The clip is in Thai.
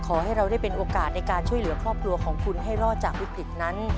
ขอให้เราได้เป็นโอกาสในการช่วยเหลือครอบครัวของคุณให้รอดจากวิกฤตนั้น